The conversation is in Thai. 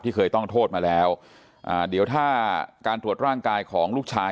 เคยต้องโทษมาแล้วอ่าเดี๋ยวถ้าการตรวจร่างกายของลูกชาย